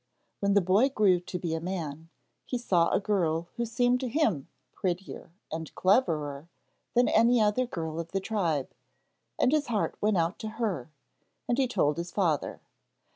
When the boy grew to be a man, he saw a girl who seemed to him prettier and cleverer than any other girl of the tribe, and his heart went out to her, and he told his father.